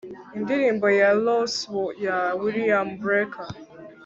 indirimbo ya los ya william blake